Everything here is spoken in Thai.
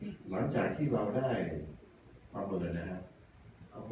หลังจากที่เราได้ความรุนแรงนะครับ